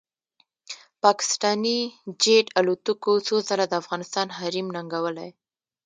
پاکستاني جېټ الوتکو څو ځله د افغانستان حریم ننګولی